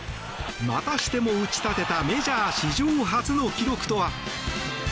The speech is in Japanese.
またしても打ち立てたメジャー史上初の記録とは。